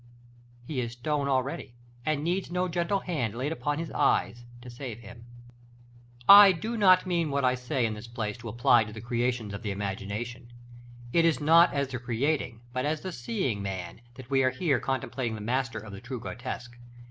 He is stone already, and needs no gentle hand laid upon his eyes to save him. § XLVIII. I do not mean what I say in this place to apply to the creations of the imagination. It is not as the creating but as the seeing man, that we are here contemplating the master of the true grotesque.